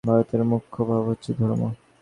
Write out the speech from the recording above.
ভারতের মুখ্য ভাব হচ্ছে ধর্ম।